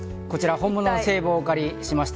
本物の制帽をお借りしました。